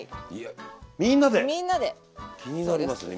気になりますね